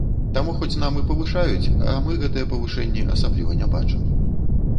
Таму хоць нам і павышаюць, а мы гэтыя павышэнні асабліва не бачым.